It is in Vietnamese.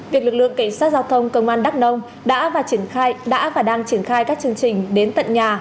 việc lực lượng cảnh sát giao thông công an đắk nông đã và đang triển khai các chương trình đến tận nhà